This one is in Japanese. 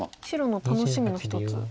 白の楽しみの一つ。